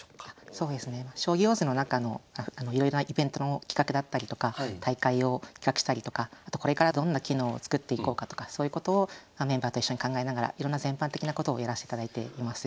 そうですね「将棋ウォーズ」の中のいろいろなイベントの企画だったりとか大会を企画したりとかあとこれからどんな機能を作っていこうかとかそういうことをメンバーと一緒に考えながらいろんな全般的なことをやらしていただいています。